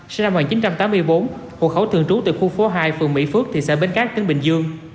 sinh năm một nghìn chín trăm tám mươi bốn hộ khẩu thường trú tại khu phố hai phường mỹ phước thị xã bến cát tỉnh bình dương